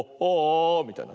みたいな。